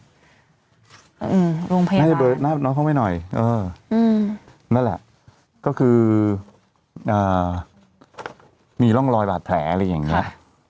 อื้อลงเพลวะน่าจะเบิ้ลน้องเข้าไว้หน่อยนั่นแหละก็คือมีร่องรอยบาทแท้อะไรอย่างนี้